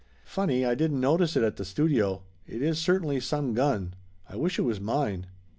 "Funny I didn't notice it at the studio; it is certainly some gun! I wish it was mine."